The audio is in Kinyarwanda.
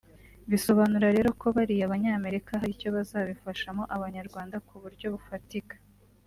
Bisobanura rero ko bariya banyamerika hari icyo bazabifashamo abanyarwanda ku buryo bufatika